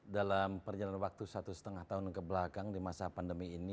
dalam perjalanan waktu satu setengah tahun ke depan